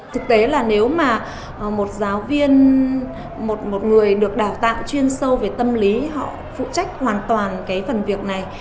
thực tế là nếu mà một giáo viên một người được đào tạo chuyên sâu về tâm lý họ phụ trách hoàn toàn cái phần việc này